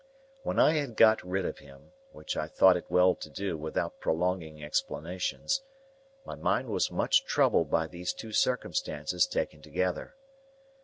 When I had got rid of him, which I thought it well to do without prolonging explanations, my mind was much troubled by these two circumstances taken together.